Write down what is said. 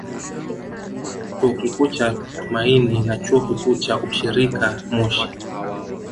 Chuo Kikuu cha Tumaini na Chuo Kikuu cha Ushirika Moshi